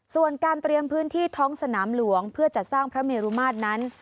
ส่วนการเตรียมพื้นที่ท้องสนามหลวงเพื่อจัดสร้างพระเมรุมาตรนั้น